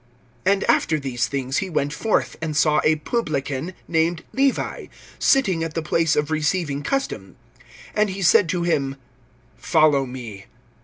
(27)And after these things he went forth, and saw a publican, named Levi, sitting at the place of receiving custom; and he said to him: Follow me.